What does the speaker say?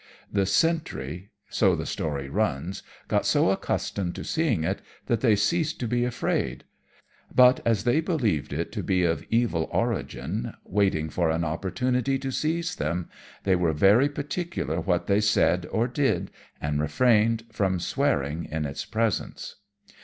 The sentry, so the story runs, got so accustomed to seeing it, that they ceased to be afraid; but, as they believed it to be of evil origin, waiting for an opportunity to seize them, they were very particular what they said or did, and refrained from swearing in its presence.